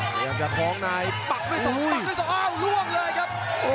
พยายามจะคล้องในปักด้วยสองปักด้วยสองอ้าวล่วงเลยครับ